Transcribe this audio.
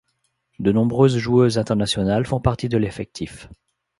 De nombreuses joueuses internationales font partie de l'effectif.